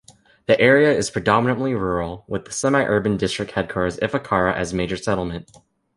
The area is predominantly rural with the semi-urban district headquarters Ifakara as major settlement.